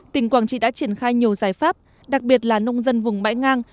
tỉnh quảng trị đã triển khai nhiều giải pháp đặc biệt là nông dân vùng bãi ngang